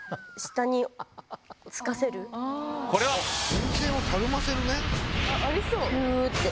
電線をたるませる。くって。